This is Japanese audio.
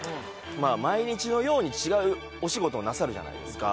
毎日のように違うお仕事をなさるじゃないですか。